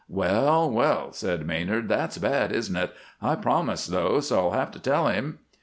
"Well, well," said Maynard, "that's bad, isn't it? I promised, though, so I'll have to tell him."